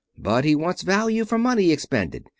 But he wants value for money expended.